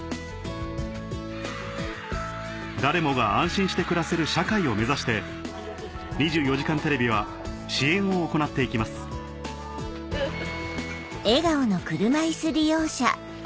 誰もが安心して暮らせる社会を目指して『２４時間テレビ』は支援を行っていきますフフ。